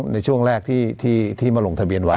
ในช่วงแรกที่มาลงทะเบียนไว้